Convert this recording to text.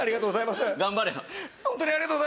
頑張れよ。